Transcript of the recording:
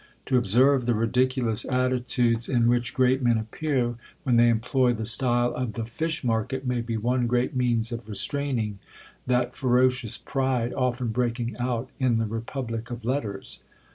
To observe the ridiculous attitudes in which great men appear, when they employ the style of the fish market, may be one great means of restraining that ferocious pride often breaking out in the republic of letters.